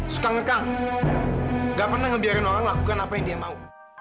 suka ngekal gak pernah ngebiarin orang lakukan apa yang dia mau